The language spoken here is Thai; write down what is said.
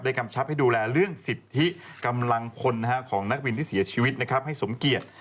กำชับให้ดูแลเรื่องสิทธิกำลังพลของนักบินที่เสียชีวิตนะครับให้สมเกียจ